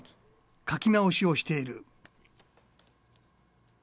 書き直しをしている。